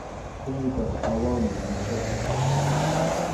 Kunkap hawanmi muchʼuqa.